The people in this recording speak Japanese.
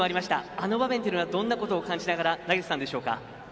あの場面というのはどんなことを感じながら投げていたんでしょうか？